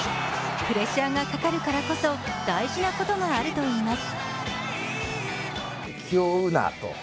プレッシャーがかかるからこそ、大事なことがあるといいます。